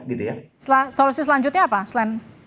solusi selanjutnya apa selain